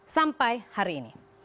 sampai hari ini